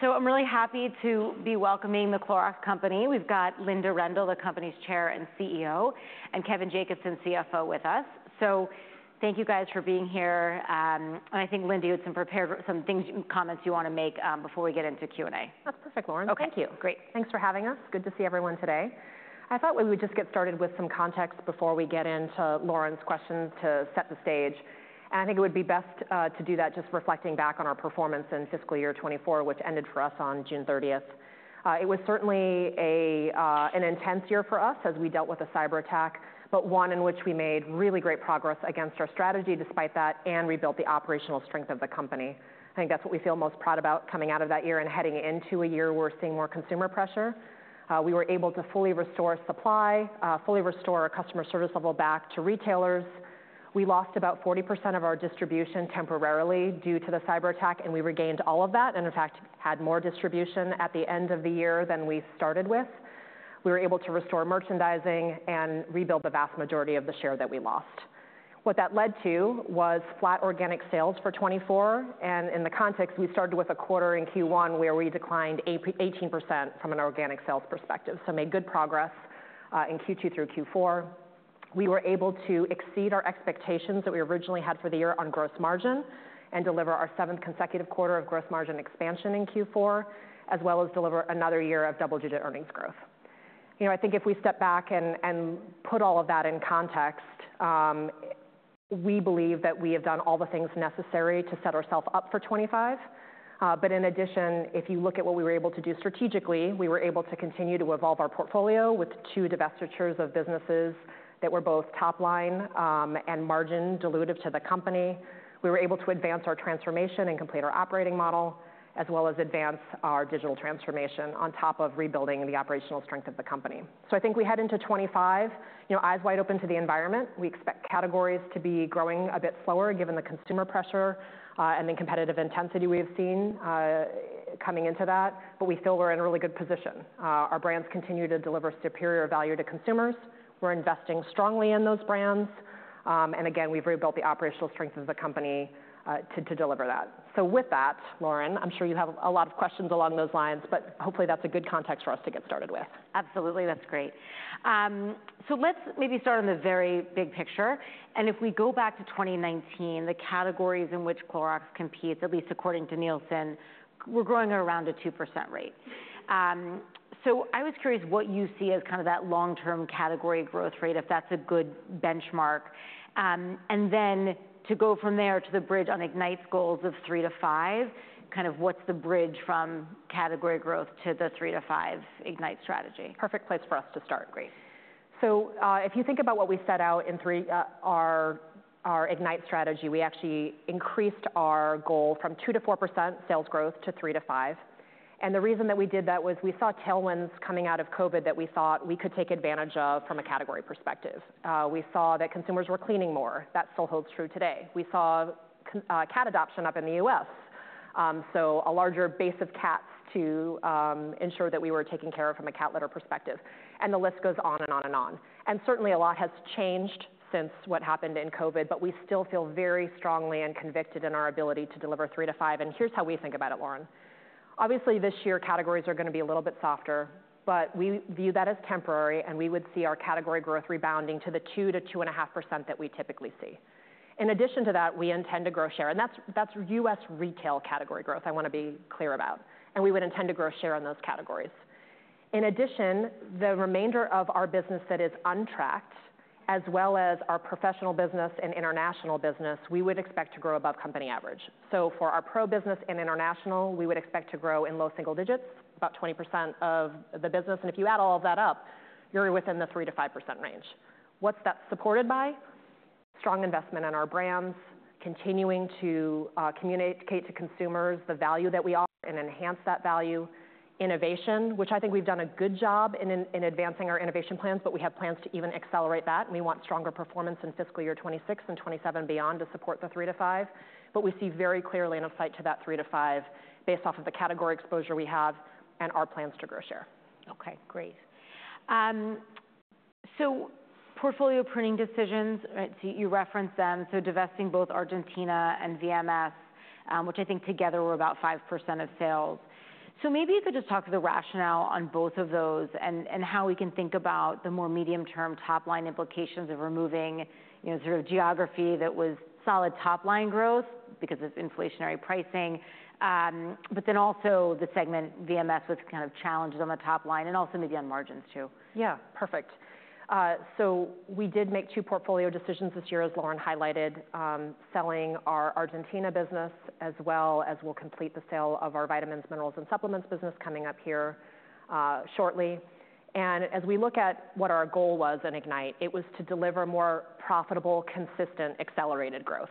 So I'm really happy to be welcoming The Clorox Company. We've got Linda Rendle, the company's Chair and CEO, and Kevin Jacobsen, CFO, with us. So thank you guys for being here. And I think, Linda, you had some prepared comments you want to make before we get into Q&A. That's perfect, Lauren. Okay. Thank you. Great. Thanks for having us. Good to see everyone today. I thought we would just get started with some context before we get into Lauren's questions, to set the stage. And I think it would be best to do that just reflecting back on our performance in fiscal year 2024, which ended for us on June 30th. It was certainly an intense year for us as we dealt with a cyberattack, but one in which we made really great progress against our strategy despite that, and rebuilt the operational strength of the company. I think that's what we feel most proud about coming out of that year and heading into a year where we're seeing more consumer pressure. We were able to fully restore supply, fully restore our customer service level back to retailers. We lost about 40% of our distribution temporarily due to the cyberattack, and we regained all of that, and in fact, had more distribution at the end of the year than we started with. We were able to restore merchandising and rebuild the vast majority of the share that we lost. What that led to was flat organic sales for 2024, and in the context, we started with a quarter in Q1 where we declined eighteen percent from an organic sales perspective. So made good progress in Q2 through Q4. We were able to exceed our expectations that we originally had for the year on gross margin and deliver our seventh consecutive quarter of gross margin expansion in Q4, as well as deliver another year of double-digit earnings growth. You know, I think if we step back and put all of that in context, we believe that we have done all the things necessary to set ourselves up for 2025. But in addition, if you look at what we were able to do strategically, we were able to continue to evolve our portfolio with two divestitures of businesses that were both top line and margin dilutive to the company. We were able to advance our transformation and complete our operating model, as well as advance our digital transformation on top of rebuilding the operational strength of the company. So I think we head into 2025, you know, eyes wide open to the environment. We expect categories to be growing a bit slower, given the consumer pressure, and the competitive intensity we have seen, coming into that, but we feel we're in a really good position. Our brands continue to deliver superior value to consumers. We're investing strongly in those brands, and again, we've rebuilt the operational strength of the company, to deliver that, so with that, Lauren, I'm sure you have a lot of questions along those lines, but hopefully that's a good context for us to get started with. Absolutely. That's great. So let's maybe start on the very big picture, and if we go back to 2019, the categories in which Clorox competes, at least according to Nielsen, were growing at around a 2% rate. So I was curious what you see as kind of that long-term category growth rate, if that's a good benchmark. And then to go from there to the bridge on Ignite's goals of 3%-5%, kind of what's the bridge from category growth to the 3%-5% Ignite strategy? Perfect place for us to start. Great. If you think about what we set out in three, our Ignite strategy, we actually increased our goal from 2%-4% sales growth to 3%-5%. The reason that we did that was we saw tailwinds coming out of COVID that we thought we could take advantage of from a category perspective. We saw that consumers were cleaning more. That still holds true today. We saw cat adoption up in the U.S., so a larger base of cats to ensure that we were taken care of from a cat litter perspective, and the list goes on and on and on. Certainly, a lot has changed since what happened in COVID, but we still feel very strongly and convicted in our ability to deliver 3%-5%, and here's how we think about it, Lauren. Obviously, this year, categories are gonna be a little bit softer, but we view that as temporary, and we would see our category growth rebounding to the 2%-2.5% that we typically see. In addition to that, we intend to grow share, and that's, that's U.S. retail category growth, I want to be clear about, and we would intend to grow share on those categories. In addition, the remainder of our business that is untracked, as well as our professional business and international business, we would expect to grow above company average. So for our pro business and international, we would expect to grow in low single digits, about 20% of the business, and if you add all of that up, you're within the 3%-5% range. What's that supported by? Strong investment in our brands, continuing to communicate to consumers the value that we offer and enhance that value. Innovation, which I think we've done a good job in advancing our innovation plans, but we have plans to even accelerate that, and we want stronger performance in fiscal year 2026 and 2027 beyond to support the 3%-5%. But we see very clearly in sight to that 3%-5% based off of the category exposure we have and our plans to grow share. Okay, great. So portfolio pruning decisions, right? So you referenced them, so divesting both Argentina and VMS, which I think together were about 5% of sales. So maybe you could just talk to the rationale on both of those, and, and how we can think about the more medium-term top-line implications of removing, you know, sort of geography that was solid top-line growth because of inflationary pricing. But then also the segment VMS, which kind of challenges on the top line and also maybe on margins, too. Yeah, perfect. So we did make two portfolio decisions this year, as Lauren highlighted, selling our Argentina business, as well as we'll complete the sale of our vitamins, minerals, and supplements business coming up here, shortly. And as we look at what our goal was in Ignite, it was to deliver more profitable, consistent, accelerated growth.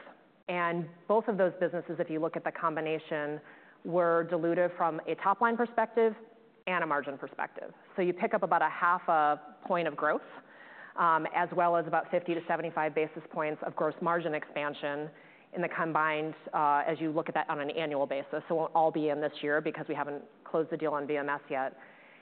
And both of those businesses, if you look at the combination, were dilutive from a top-line perspective and a margin perspective. So you pick up about 0.5 points of growth, as well as about 50 basis points-75 basis points of gross margin expansion in the combined, as you look at that on an annual basis. So it won't all be in this year because we haven't closed the deal on VMS yet.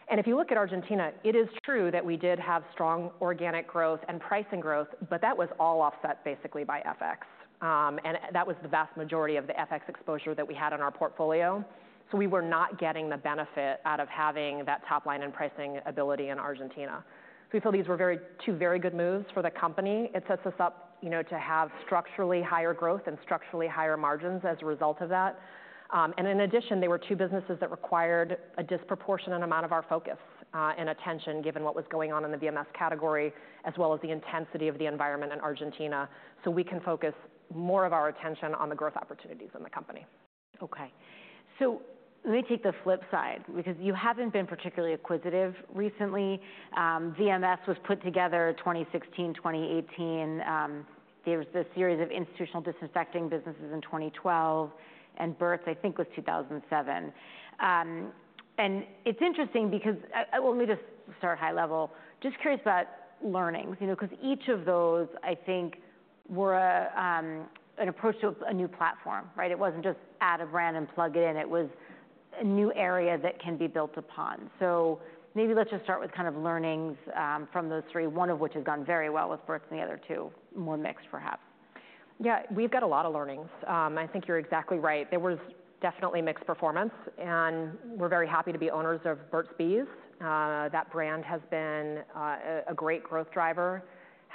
And if you look at Argentina, it is true that we did have strong organic growth and pricing growth, but that was all offset basically by FX. And that was the vast majority of the FX exposure that we had in our portfolio. So we were not getting the benefit out of having that top line and pricing ability in Argentina. So we feel these were two very good moves for the company. It sets us up, you know, to have structurally higher growth and structurally higher margins as a result of that. And in addition, there were two businesses that required a disproportionate amount of our focus and attention, given what was going on in the VMS category, as well as the intensity of the environment in Argentina. So we can focus more of our attention on the growth opportunities in the company. Okay, so let me take the flip side, because you haven't been particularly acquisitive recently. VMS was put together 2016, 2018. There was this series of institutional disinfecting businesses in 2012, and Burt's, I think, was 2007. And it's interesting because, well, let me just start high level. Just curious about learnings, you know, because each of those, I think, were an approach to a new platform, right? It wasn't just add a brand and plug it in, it was a new area that can be built upon. So maybe let's just start with kind of learnings from those three, one of which has gone very well with Burt's, and the other two, more mixed, perhaps. Yeah, we've got a lot of learnings. I think you're exactly right. There was definitely mixed performance, and we're very happy to be owners of Burt's Bees. That brand has been a great growth driver,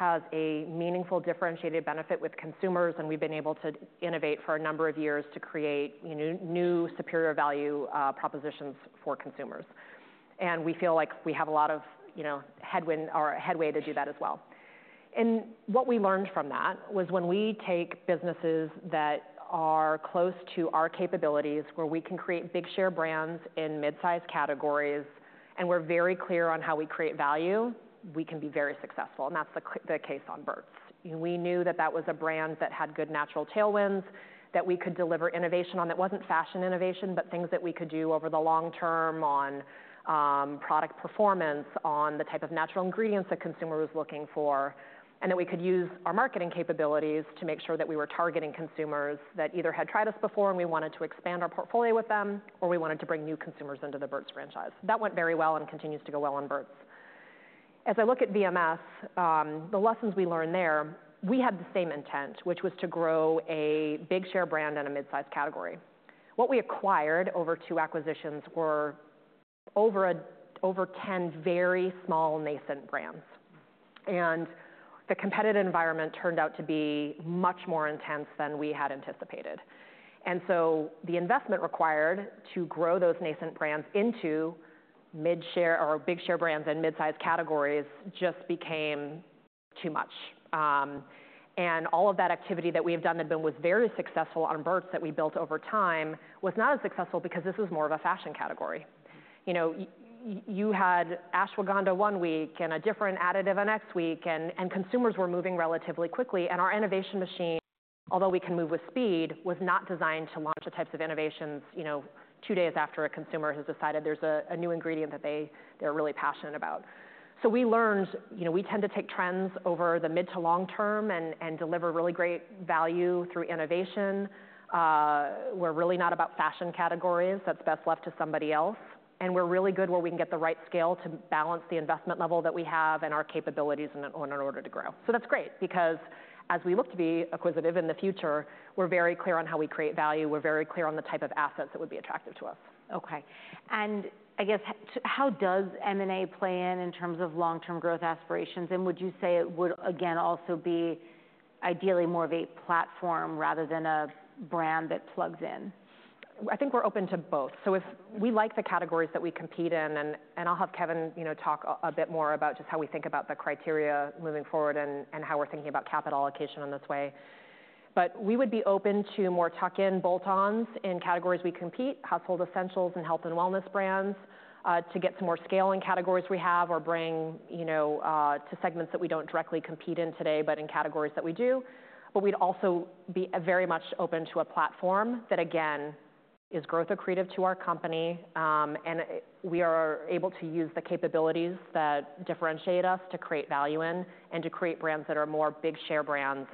has a meaningful, differentiated benefit with consumers, and we've been able to innovate for a number of years to create, you know, new superior value propositions for consumers. And we feel like we have a lot of, you know, headwind or headway to do that as well. And what we learned from that was when we take businesses that are close to our capabilities, where we can create big share brands in mid-size categories, and we're very clear on how we create value, we can be very successful, and that's the case on Burt's. We knew that that was a brand that had good natural tailwinds, that we could deliver innovation on. That wasn't fashion innovation, but things that we could do over the long term on, product performance, on the type of natural ingredients that consumer was looking for, and that we could use our marketing capabilities to make sure that we were targeting consumers that either had tried us before, and we wanted to expand our portfolio with them, or we wanted to bring new consumers into the Burt's franchise. That went very well and continues to go well on Burt's. As I look at VMS, the lessons we learned there, we had the same intent, which was to grow a big share brand in a mid-size category. What we acquired over two acquisitions were over ten very small nascent brands, and the competitive environment turned out to be much more intense than we had anticipated, and so the investment required to grow those nascent brands into mid-share or big share brands in mid-size categories just became too much. And all of that activity that we've done that was very successful on Burt's, that we built over time, was not as successful because this was more of a fashion category. You know, you had ashwagandha one week and a different additive the next week, and consumers were moving relatively quickly, and our innovation machine, although we can move with speed, was not designed to launch the types of innovations, you know, two days after a consumer has decided there's a new ingredient that they’re really passionate about. So we learned, you know, we tend to take trends over the mid to long term and deliver really great value through innovation. We're really not about fashion categories. That's best left to somebody else. And we're really good where we can get the right scale to balance the investment level that we have and our capabilities in order to grow. So that's great, because as we look to be acquisitive in the future, we're very clear on how we create value. We're very clear on the type of assets that would be attractive to us. Okay, and I guess how does M&A play in, in terms of long-term growth aspirations, and would you say it would again, also be ideally more of a platform rather than a brand that plugs in? I think we're open to both. So if we like the categories that we compete in, and I'll have Kevin, you know, talk a bit more about just how we think about the criteria moving forward and how we're thinking about capital allocation on this way. But we would be open to more tuck-in bolt-ons in categories we compete, household essentials and health and wellness brands, to get some more scale in categories we have or bring, you know, to segments that we don't directly compete in today, but in categories that we do. But we'd also be very much open to a platform that, again, is growth accretive to our company, and we are able to use the capabilities that differentiate us to create value in, and to create brands that are more big share brands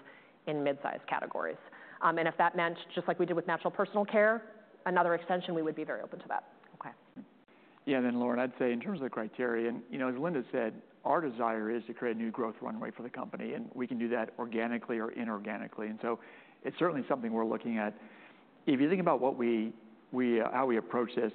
in mid-size categories. And if that meant, just like we did with natural personal care, another extension, we would be very open to that. Okay. Yeah, then, Lauren, I'd say in terms of the criterion, you know, as Linda said, our desire is to create a new growth runway for the company, and we can do that organically or inorganically, and so it's certainly something we're looking at. If you think about how we approach this,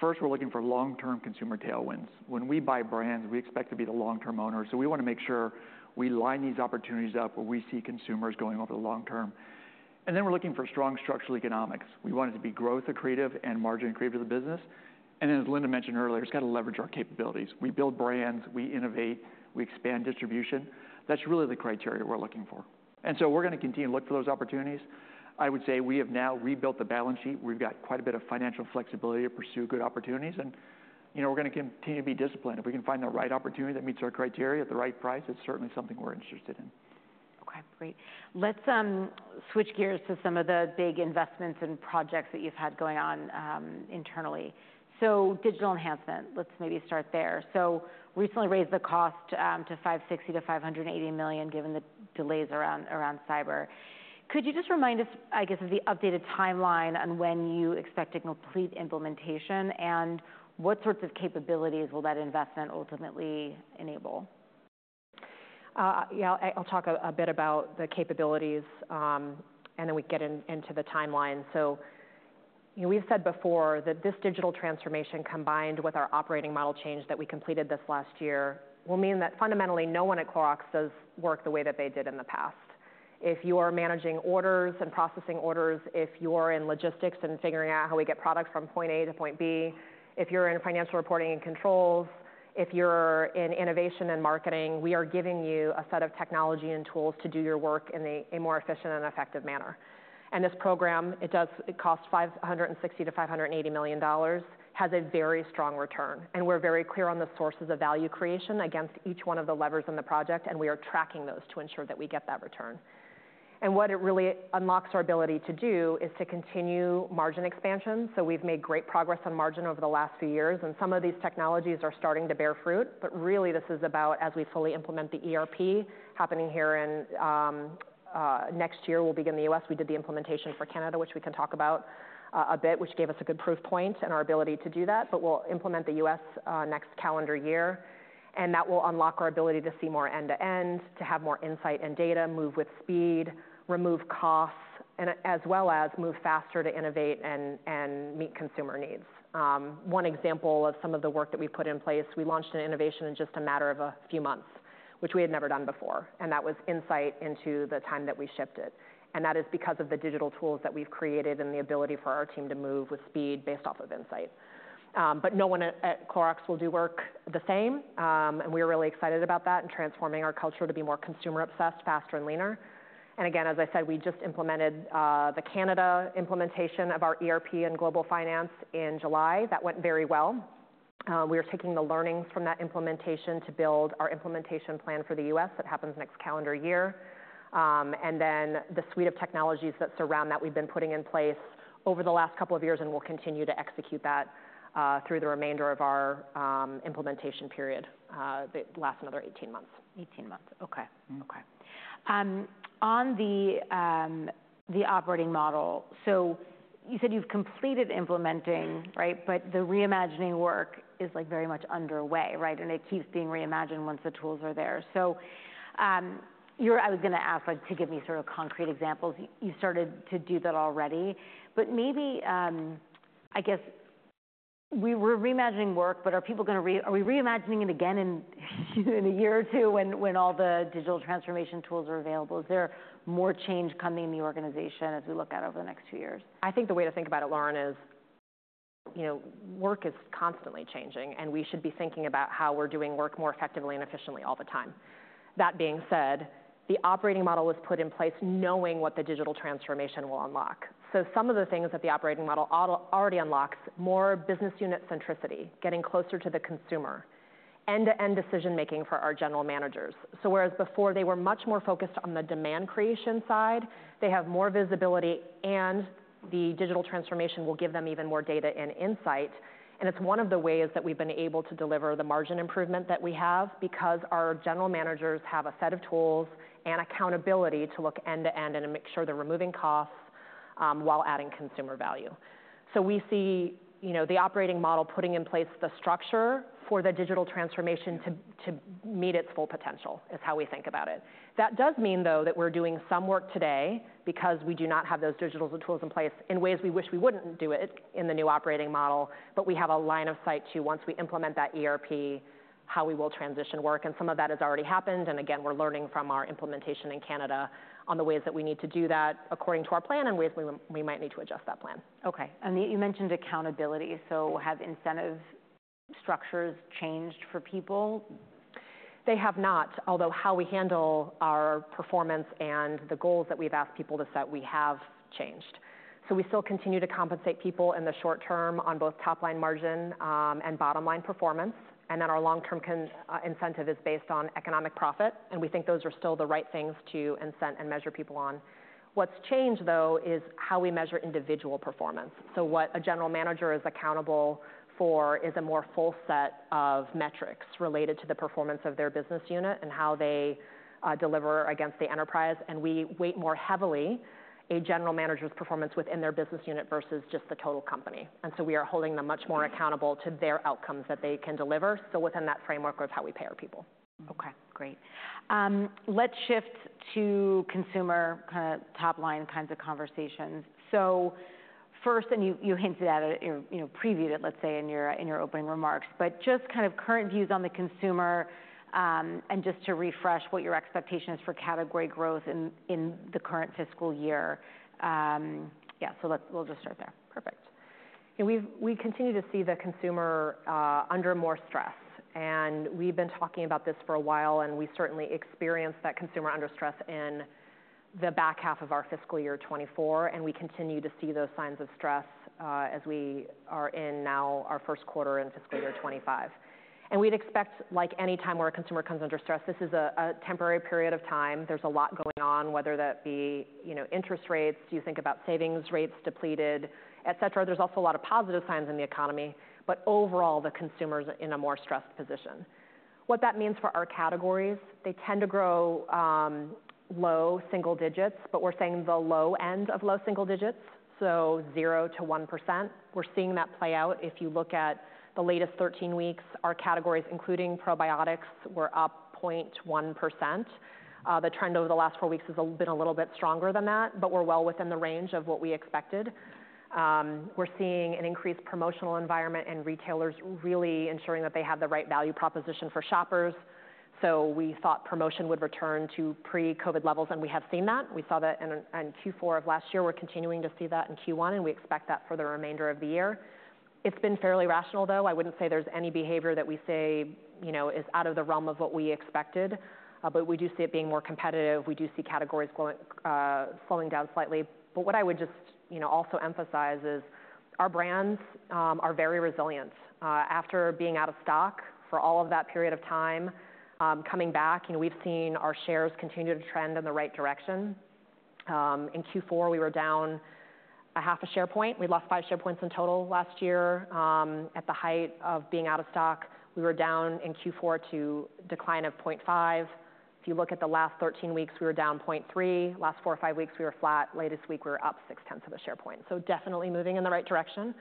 first, we're looking for long-term consumer tailwinds. When we buy brands, we expect to be the long-term owner, so we want to make sure we line these opportunities up where we see consumers going over the long term. And then we're looking for strong structural economics. We want it to be growth accretive and margin accretive to the business. And then, as Linda mentioned earlier, it's got to leverage our capabilities. We build brands, we innovate, we expand distribution. That's really the criteria we're looking for, and so we're going to continue to look for those opportunities. I would say we have now rebuilt the balance sheet. We've got quite a bit of financial flexibility to pursue good opportunities, and, you know, we're going to continue to be disciplined. If we can find the right opportunity that meets our criteria at the right price, it's certainly something we're interested in. Great! Let's switch gears to some of the big investments and projects that you've had going on internally. So digital enhancement, let's maybe start there. So recently raised the cost to $560 million-$580 million, given the delays around cyber. Could you just remind us, I guess, of the updated timeline on when you expect a complete implementation, and what sorts of capabilities will that investment ultimately enable? Yeah, I'll talk a bit about the capabilities, and then we get into the timeline. So, you know, we've said before that this digital transformation, combined with our operating model change that we completed this last year, will mean that fundamentally, no one at Clorox does work the way that they did in the past. If you are managing orders and processing orders, if you are in logistics and figuring out how we get products from point A to point B, if you're in financial reporting and controls, if you're in innovation and marketing, we are giving you a set of technology and tools to do your work in a more efficient and effective manner. This program, it costs $560 million-$580 million, has a very strong return, and we're very clear on the sources of value creation against each one of the levers in the project, and we are tracking those to ensure that we get that return. And what it really unlocks our ability to do is to continue margin expansion. So we've made great progress on margin over the last few years, and some of these technologies are starting to bear fruit. But really, this is about as we fully implement the ERP happening here in next year, we'll begin the U.S. We did the implementation for Canada, which we can talk about a bit, which gave us a good proof point in our ability to do that. But we'll implement the U.S. next calendar year, and that will unlock our ability to see more end-to-end, to have more insight and data, move with speed, remove costs, and as well as move faster to innovate and meet consumer needs. One example of some of the work that we put in place, we launched an innovation in just a matter of a few months, which we had never done before, and that was insight into the time that we shipped it. And that is because of the digital tools that we've created and the ability for our team to move with speed based off of insight. But no one at Clorox will do work the same, and we are really excited about that and transforming our culture to be more consumer-obsessed, faster and leaner. And again, as I said, we just implemented the Canada implementation of our ERP and global finance in July. That went very well. We are taking the learnings from that implementation to build our implementation plan for the U.S. That happens next calendar year. And then the suite of technologies that surround that, we've been putting in place over the last couple of years, and we'll continue to execute that through the remainder of our implementation period that lasts another 18 months. 18 months. Okay. Mm-hmm. Okay. On the operating model, so you said you've completed implementing, right, but the reimagining work is, like, very much underway, right, and it keeps being reimagined once the tools are there, so I was gonna ask, like, to give me sort of concrete examples. You started to do that already, but maybe, I guess we're reimagining work, but are we reimagining it again in a year or two, when all the digital transformation tools are available? Is there more change coming in the organization as we look out over the next two years? I think the way to think about it, Lauren, is, you know, work is constantly changing, and we should be thinking about how we're doing work more effectively and efficiently all the time. That being said, the operating model was put in place knowing what the digital transformation will unlock, so some of the things that the operating model already unlocks, more business unit centricity, getting closer to the consumer, end-to-end decision-making for our general managers, so whereas before they were much more focused on the demand creation side, they have more visibility, and the digital transformation will give them even more data and insight, and it's one of the ways that we've been able to deliver the margin improvement that we have, because our general managers have a set of tools and accountability to look end-to-end and to make sure they're removing costs while adding consumer value. So we see, you know, the operating model putting in place the structure for the digital transformation to meet its full potential, is how we think about it. That does mean, though, that we're doing some work today because we do not have those digital tools in place in ways we wish we wouldn't do it in the new operating model, but we have a line of sight to once we implement that ERP, how we will transition work, and some of that has already happened, and again, we're learning from our implementation in Canada on the ways that we need to do that according to our plan and ways we might need to adjust that plan. Okay, and you mentioned accountability. So have incentive structures changed for people? They have not, although how we handle our performance and the goals that we've asked people to set, we have changed so we still continue to compensate people in the short term on both top-line margin and bottom-line performance, and then our long-term comp incentive is based on economic profit, and we think those are still the right things to incent and measure people on. What's changed, though, is how we measure individual performance so what a general manager is accountable for is a more full set of metrics related to the performance of their business unit and how they deliver against the enterprise, and we weight more heavily a general manager's performance within their business unit versus just the total company. And so we are holding them much more accountable to their outcomes that they can deliver, so within that framework of how we pay our people. Okay, great. Let's shift to consumer kind of top-line kinds of conversations. So first, and you hinted at it, or, you know, previewed it, let's say, in your opening remarks, but just kind of current views on the consumer, and just to refresh what your expectation is for category growth in the current fiscal year. Yeah, so let's we'll just start there. Perfect. Yeah, we continue to see the consumer under more stress, and we've been talking about this for a while, and we certainly experienced that consumer under stress in the back half of our fiscal year 2024, and we continue to see those signs of stress as we are in now our first quarter in fiscal year 2025. And we'd expect, like any time where a consumer comes under stress, this is a temporary period of time. There's a lot going on, whether that be, you know, interest rates, you think about savings rates depleted, et cetera. There's also a lot of positive signs in the economy, but overall, the consumer's in a more stressed position. What that means for our categories, they tend to grow low single digits, but we're saying the low end of low single digits, so zero to 1%. We're seeing that play out. If you look at the latest thirteen weeks, our categories, including probiotics, were up 0.1%. The trend over the last four weeks has been a little bit stronger than that, but we're well within the range of what we expected. We're seeing an increased promotional environment and retailers really ensuring that they have the right value proposition for shoppers. So we thought promotion would return to pre-COVID levels, and we have seen that. We saw that in Q4 of last year. We're continuing to see that in Q1, and we expect that for the remainder of the year. It's been fairly rational, though. I wouldn't say there's any behavior that we say, you know, is out of the realm of what we expected, but we do see it being more competitive. We do see categories going, slowing down slightly. But what I would just, you know, also emphasize is our brands are very resilient. After being out of stock for all of that period of time, coming back, you know, we've seen our shares continue to trend in the right direction. In Q4, we were down 0.5 share point. We lost five share points in total last year. At the height of being out of stock, we were down in Q4 to a decline of 0.5. If you look at the last 13 weeks, we were down 0.3. Last four or five weeks, we were flat. Latest week, we were up 0.6 share point. So definitely moving in the right direction.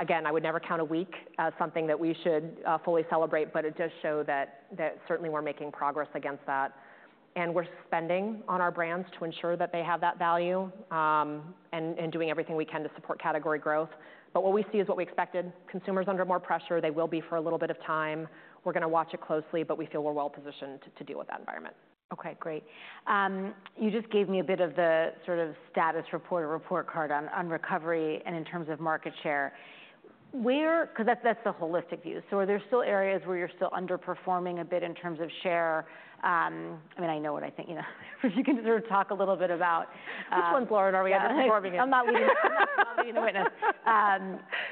Again, I would never count a week as something that we should fully celebrate, but it does show that certainly we're making progress against that. And we're spending on our brands to ensure that they have that value, and doing everything we can to support category growth. But what we see is what we expected, consumers under more pressure. They will be for a little bit of time. We're gonna watch it closely, but we feel we're well positioned to deal with that environment. Okay, great. You just gave me a bit of the sort of status report or report card on recovery and in terms of market share. Because that's the holistic view, so are there still areas where you're still underperforming a bit in terms of share? I mean, I know what I think, you know, but if you can sort of talk a little bit about. Which ones, Lauren, are we underperforming in? I'm not leading, I'm not leading the witness.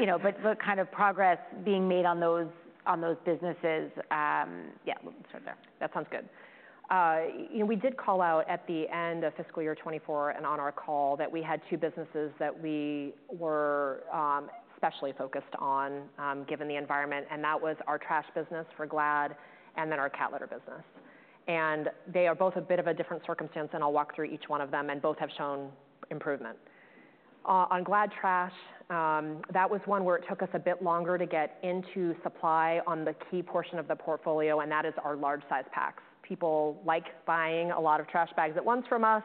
You know, but the kind of progress being made on those, on those businesses. Yeah, we'll start there. That sounds good. You know, we did call out at the end of fiscal year 2024 and on our call that we had two businesses that we were specially focused on given the environment, and that was our trash business for Glad and then our cat litter business. They are both a bit of a different circumstance, and I'll walk through each one of them, and both have shown improvement. On Glad trash, that was one where it took us a bit longer to get into supply on the key portion of the portfolio, and that is our large-size packs. People like buying a lot of trash bags at once from us,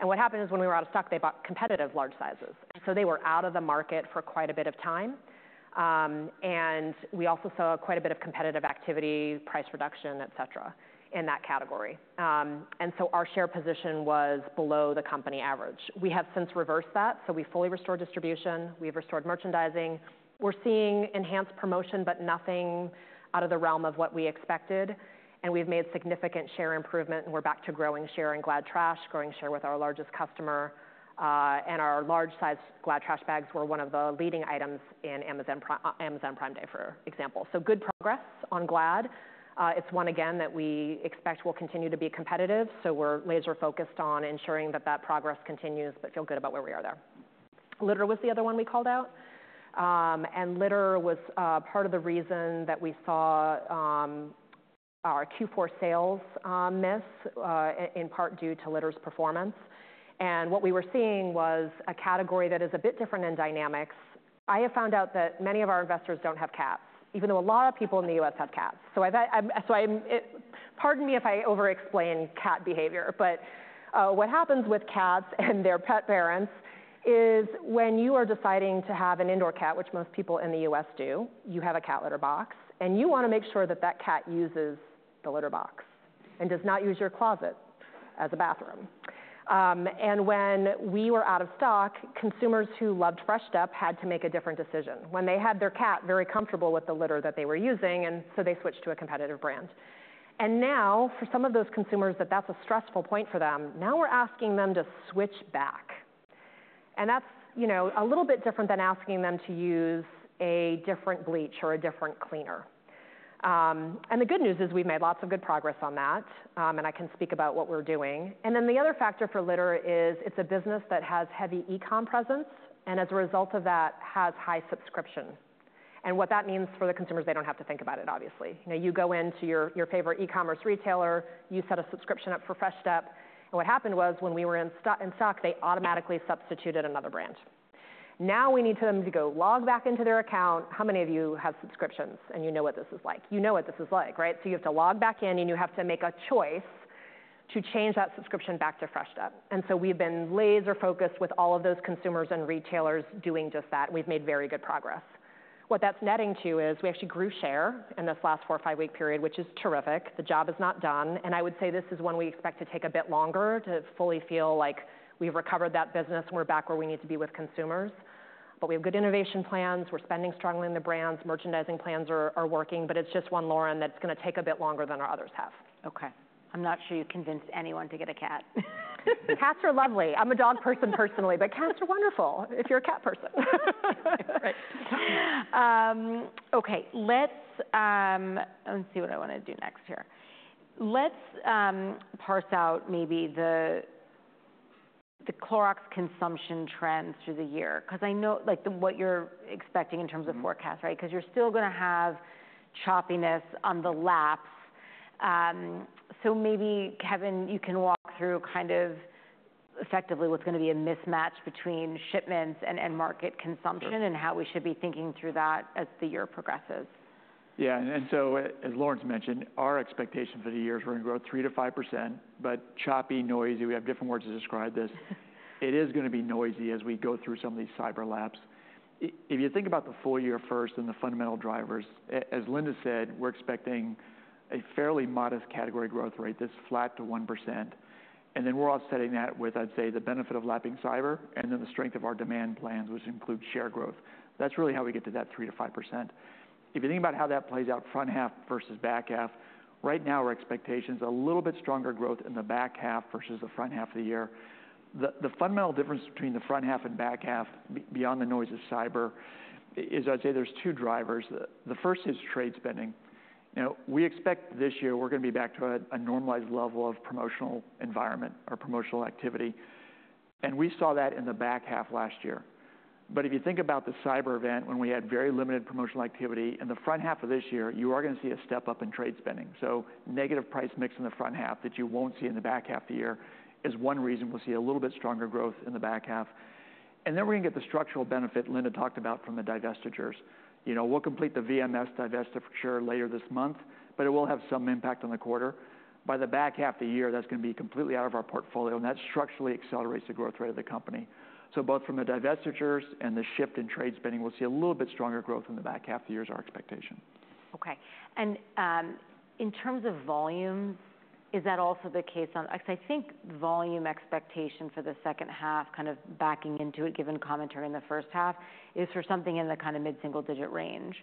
and what happened is, when we were out of stock, they bought competitive large sizes. So they were out of the market for quite a bit of time, and we also saw quite a bit of competitive activity, price reduction, et cetera, in that category. And so our share position was below the company average. We have since reversed that, so we've fully restored distribution, we've restored merchandising. We're seeing enhanced promotion, but nothing out of the realm of what we expected, and we've made significant share improvement, and we're back to growing share in Glad trash, growing share with our largest customer, and our large-size Glad trash bags were one of the leading items in Amazon Prime Day, for example. So good progress on Glad. It's one again that we expect will continue to be competitive, so we're laser focused on ensuring that that progress continues, but feel good about where we are there. Litter was the other one we called out, and litter was part of the reason that we saw our Q4 sales miss, in part due to litter's performance. And what we were seeing was a category that is a bit different in dynamics. I have found out that many of our investors don't have cats, even though a lot of people in the U.S. have cats. Pardon me if I overexplain cat behavior, but what happens with cats and their pet parents is when you are deciding to have an indoor cat, which most people in the U.S. do, you have a cat litter box, and you want to make sure that that cat uses the litter box and does not use your closet as a bathroom. And when we were out of stock, consumers who loved Fresh Step had to make a different decision when they had their cat very comfortable with the litter that they were using, and so they switched to a competitive brand. And now, for some of those consumers, that's a stressful point for them. Now we're asking them to switch back, and that's, you know, a little bit different than asking them to use a different bleach or a different cleaner. And the good news is we've made lots of good progress on that, and I can speak about what we're doing. And then the other factor for litter is it's a business that has heavy e-com presence, and as a result of that, has high subscription. And what that means for the consumers, they don't have to think about it, obviously. You know, you go into your favorite e-commerce retailer. You set a subscription up for Fresh Step, and what happened was, when we were in stock, they automatically substituted another brand. Now, we need them to go log back into their account. How many of you have subscriptions and you know what this is like? You know what this is like, right? So you have to log back in, and you have to make a choice to change that subscription back to Fresh Step, and so we've been laser focused with all of those consumers and retailers doing just that. We've made very good progress. What that's netting to is we actually grew share in this last four or five-week period, which is terrific. The job is not done, and I would say this is one we expect to take a bit longer to fully feel like we've recovered that business, and we're back where we need to be with consumers. But we have good innovation plans. We're spending strongly in the brands. Merchandising plans are working, but it's just one, Lauren, that's gonna take a bit longer than our others have. Okay. I'm not sure you've convinced anyone to get a cat. Cats are lovely. I'm a dog person personally, but cats are wonderful if you're a cat person. Right. Okay. Let me see what I wanna do next here. Let's parse out maybe the Clorox consumption trends through the year, 'cause I know, like, what you're expecting in terms of Mm forecasts, right? 'Cause you're still gonna have choppiness on the lapse. So maybe, Kevin, you can walk through kind of effectively what's gonna be a mismatch between shipments and end market consumption- Sure and how we should be thinking through that as the year progresses. Yeah, and so, as Lauren's mentioned, our expectation for the year is we're gonna grow 3%-5%, but choppy, noisy, we have different words to describe this. It is gonna be noisy as we go through some of these cyber lapses. If you think about the full year first and the fundamental drivers, as Linda said, we're expecting a fairly modest category growth rate that's flat to 1%, and then we're offsetting that with, I'd say, the benefit of lapping cyber and then the strength of our demand plans, which include share growth. That's really how we get to that 3%-5%. If you think about how that plays out front half versus back half, right now, our expectation is a little bit stronger growth in the back half versus the front half of the year. The fundamental difference between the front half and back half, beyond the noise of cyber, is I'd say there's two drivers. The first is trade spending. You know, we expect this year we're gonna be back to a normalized level of promotional environment or promotional activity, and we saw that in the back half last year. But if you think about the cyber event, when we had very limited promotional activity in the front half of this year, you are gonna see a step-up in trade spending. So negative price mix in the front half that you won't see in the back half of the year is one reason we'll see a little bit stronger growth in the back half. And then we're gonna get the structural benefit Linda talked about from the divestitures. You know, we'll complete the VMS divestiture later this month, but it will have some impact on the quarter. By the back half of the year, that's gonna be completely out of our portfolio, and that structurally accelerates the growth rate of the company. So both from the divestitures and the shift in trade spending, we'll see a little bit stronger growth in the back half of the year is our expectation. Okay. And, in terms of volume, is that also the case on. Because I think volume expectation for the second half, kind of backing into it, given commentary in the first half, is for something in the kind of mid-single digit range,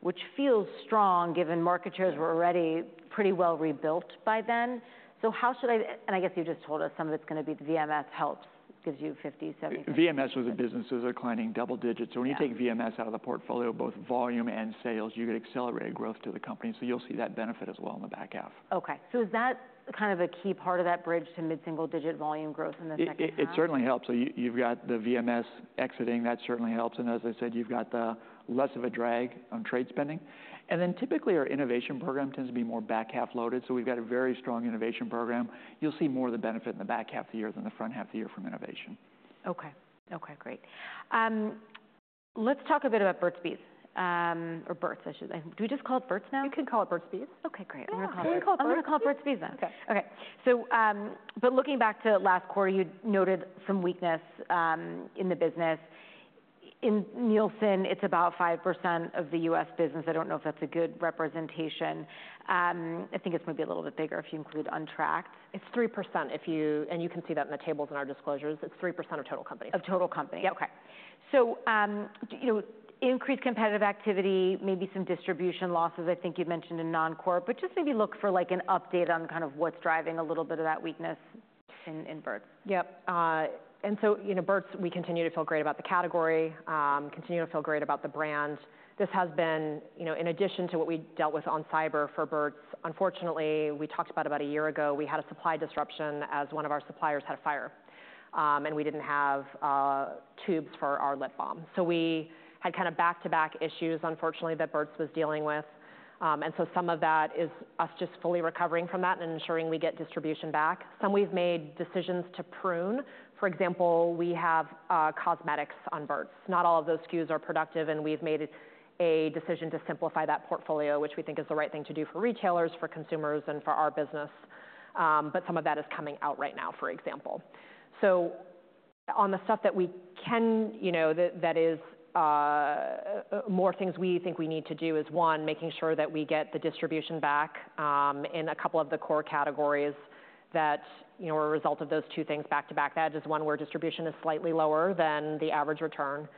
which feels strong, given market shares Yeah were already pretty well rebuilt by then. So how should I- and I guess you just told us some of it's gonna be the VMS help, gives you 50, 70 VMS was a business that was declining double digits. Yeah. So when you take VMS out of the portfolio, both volume and sales, you get accelerated growth to the company, so you'll see that benefit as well in the back half. Okay. So is that kind of a key part of that bridge to mid-single digit volume growth in the second half? It certainly helps. So you've got the VMS exiting, that certainly helps, and as I said, you've got the less of a drag on trade spending. And then, typically, our innovation program tends to be more back half loaded, so we've got a very strong innovation program. You'll see more of the benefit in the back half of the year than the front half of the year from innovation. Okay. Okay, great. Let's talk a bit about Burt's Bees, or Burt's, I should say. Do we just call it Burt's now? You can call it Burt's Bees. Okay, great. Yeah. I'm gonna call it Can we call it Burt's? I'm gonna call it Burt's Bees, then. Okay. Okay, so, but looking back to last quarter, you noted some weakness in the business. In Nielsen, it's about 5% of the U.S. business. I don't know if that's a good representation. I think it's maybe a little bit bigger if you include untracked. It's 3% if you and you can see that in the tables in our disclosures, it's 3% of total company. Of total company? Yep. Okay. You know, increased competitive activity, maybe some distribution losses. I think you've mentioned in non-core, but just maybe look for, like, an update on kind of what's driving a little bit of that weakness in Burt's. Yep, and so, you know, Burt's, we continue to feel great about the category, continue to feel great about the brand. This has been, you know, in addition to what we dealt with on cyber for Burt's. Unfortunately, we talked about a year ago, we had a supply disruption as one of our suppliers had a fire, and we didn't have tubes for our lip balm. So we had kind of back-to-back issues, unfortunately, that Burt's was dealing with. And so some of that is us just fully recovering from that and ensuring we get distribution back. Some we've made decisions to prune. For example, we have cosmetics on Burt's. Not all of those SKUs are productive, and we've made a decision to simplify that portfolio, which we think is the right thing to do for retailers, for consumers, and for our business, but some of that is coming out right now, for example. So on the stuff that we can, you know, that is more things we think we need to do is one, making sure that we get the distribution back in a couple of the core categories that, you know, are a result of those two things back-to-back. That is one where distribution is slightly lower than the average return.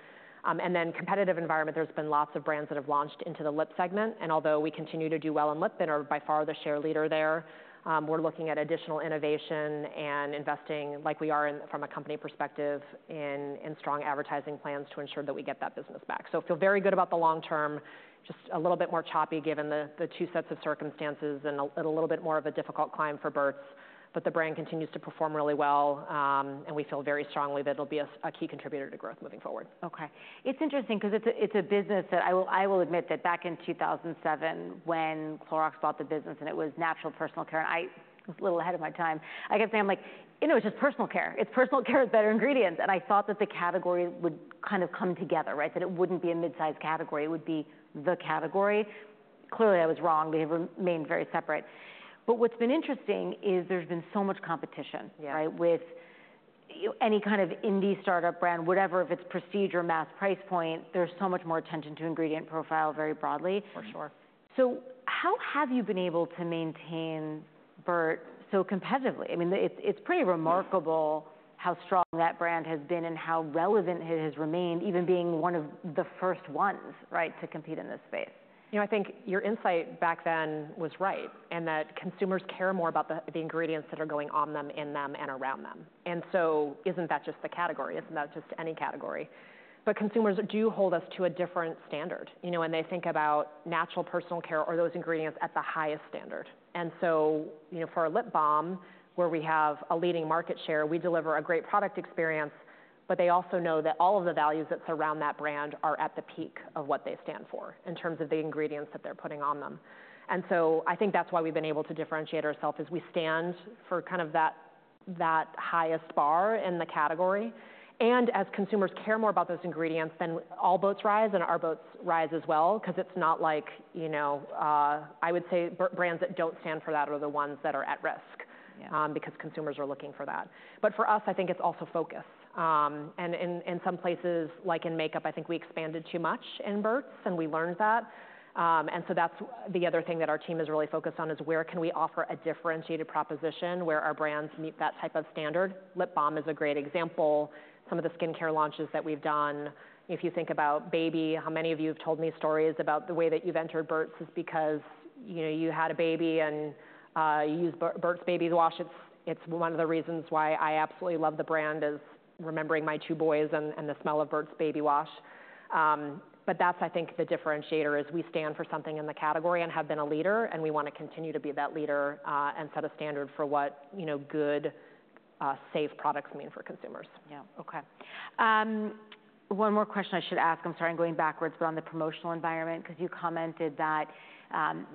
And then, competitive environment. There's been lots of brands that have launched into the lip segment, and although we continue to do well in lip and are by far the share leader there, we're looking at additional innovation and investing, like we are in, from a company perspective, in strong advertising plans to ensure that we get that business back. So I feel very good about the long term, just a little bit more choppy, given the two sets of circumstances and a little bit more of a difficult climb for Burt's, but the brand continues to perform really well, and we feel very strongly that it'll be a key contributor to growth moving forward. Okay. It's interesting 'cause it's a business that I will admit that back in 2007, when Clorox bought the business and it was natural personal care, and I was a little ahead of my time, I guess I'm like, "You know, it's just personal care. It's personal care with better ingredients." And I thought that the category would kind of come together, right? That it wouldn't be a mid-sized category, it would be the category. Clearly, I was wrong. They have remained very separate. But what's been interesting is there's been so much competition. Yeah Right, with any kind of indie startup brand, whatever, if it's prestige or mass price point, there's so much more attention to ingredient profile very broadly. For sure. So how have you been able to maintain Burt's so competitively? I mean, it's pretty remarkable how strong that brand has been and how relevant it has remained, even being one of the first ones, right, to compete in this space. You know, I think your insight back then was right, and that consumers care more about the ingredients that are going on them, in them, and around them. And so isn't that just the category? Isn't that just any category? But consumers do hold us to a different standard, you know, when they think about natural personal care or those ingredients at the highest standard. And so, you know, for our lip balm, where we have a leading market share, we deliver a great product experience, but they also know that all of the values that surround that brand are at the peak of what they stand for in terms of the ingredients that they're putting on them. And so I think that's why we've been able to differentiate ourselves, is we stand for kind of that highest bar in the category. As consumers care more about those ingredients, then all boats rise, and our boats rise as well, 'cause it's not like, you know, I would say brands that don't stand for that are the ones that are at risk Yeah because consumers are looking for that. But for us, I think it's also focus. And in some places, like in makeup, I think we expanded too much in Burt's, and we learned that. And so that's the other thing that our team is really focused on, is where can we offer a differentiated proposition, where our brands meet that type of standard? Lip balm is a great example, some of the skincare launches that we've done. If you think about baby, how many of you have told me stories about the way that you've entered Burt's is because, you know, you had a baby, and you used Burt's Baby Wash? It's one of the reasons why I absolutely love the brand, is remembering my two boys and the smell of Burt's Baby Wash. But that's, I think, the differentiator, is we stand for something in the category and have been a leader, and we wanna continue to be that leader, and set a standard for what, you know, good safe products mean for consumers. Yeah. Okay. One more question I should ask, I'm sorry, I'm going backwards, but on the promotional environment, 'cause you commented that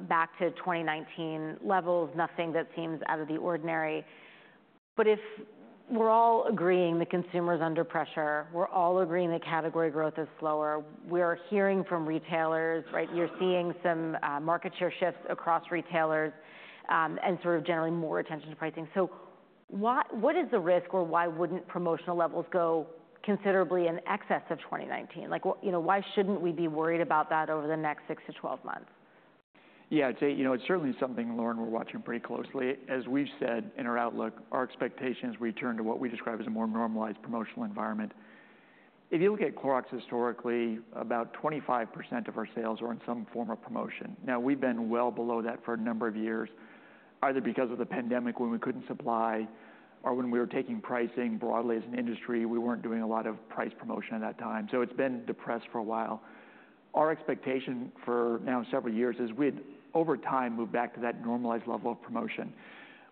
back to 2019 levels, nothing that seems out of the ordinary. But if we're all agreeing the consumer's under pressure, we're all agreeing that category growth is slower, we're hearing from retailers, right? You're seeing some market share shifts across retailers, and sort of generally more attention to pricing. So why- what is the risk, or why wouldn't promotional levels go considerably in excess of 2019? Like, what you know, why shouldn't we be worried about that over the next six to 12 months? Yeah, it's, you know, it's certainly something, Lauren, we're watching pretty closely. As we've said in our outlook, our expectation is return to what we describe as a more normalized promotional environment. If you look at Clorox historically, about 25% of our sales are in some form of promotion. Now, we've been well below that for a number of years, either because of the pandemic, when we couldn't supply, or when we were taking pricing broadly as an industry, we weren't doing a lot of price promotion at that time, so it's been depressed for a while. Our expectation for now several years is we'd, over time, move back to that normalized level of promotion.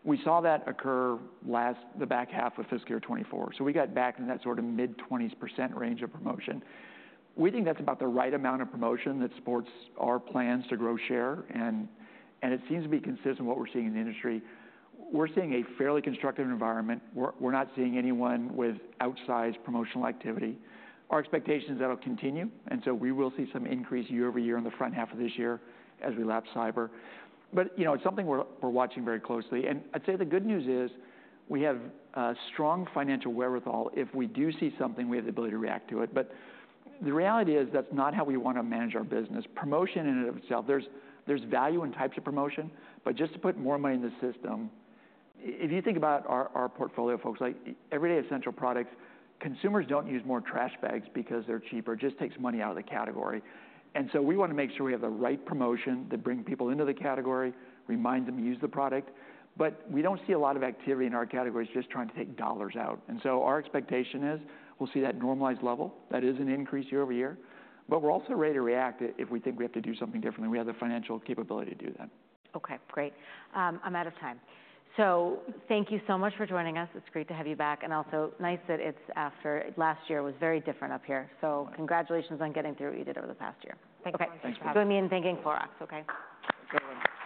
We saw that occur last, the back half of fiscal year 2024, so we got back into that sort of mid-20s percent range of promotion. We think that's about the right amount of promotion that supports our plans to grow share, and it seems to be consistent with what we're seeing in the industry. We're seeing a fairly constructive environment. We're not seeing anyone with outsized promotional activity. Our expectation is that'll continue, and so we will see some increase year over year in the front half of this year as we lap cyber. But you know, it's something we're watching very closely, and I'd say the good news is we have strong financial wherewithal. If we do see something, we have the ability to react to it. But the reality is, that's not how we want to manage our business. Promotion in and of itself, there's value in types of promotion, but just to put more money in the system. If you think about our portfolio, folks, like everyday essential products, consumers don't use more trash bags because they're cheaper. It just takes money out of the category. And so we want to make sure we have the right promotion that bring people into the category, remind them to use the product, but we don't see a lot of activity in our categories, just trying to take dollars out. And so our expectation is, we'll see that normalized level. That is an increase year over year. But we're also ready to react if we think we have to do something differently. We have the financial capability to do that. Okay, great. I'm out of time, so thank you so much for joining us. It's great to have you back, and also nice that it's after last year was very different up here. Right. So congratulations on getting through what you did over the past year. Thank you. Okay. Thanks for having us. Join me in thanking Clorox. Okay?